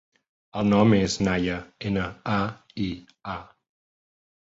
El nom és Naia: ena, a, i, a.